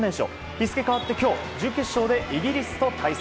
日付け変わって今日準決勝でイギリスと対戦。